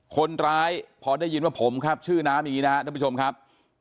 คนร้ายพอได้ยินพ่อผมครับชื่อน้ามอีหนาผู้ชมครับ